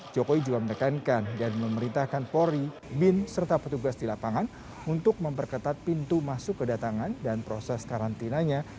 jokowi juga menekankan dan memerintahkan polri bin serta petugas di lapangan untuk memperketat pintu masuk kedatangan dan proses karantinanya